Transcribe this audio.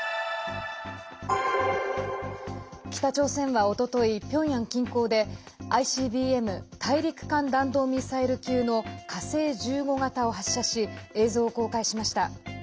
北朝鮮は、おとといピョンヤン近郊でＩＣＢＭ＝大陸間弾道ミサイル級の火星１５型を発射し映像を公開しました。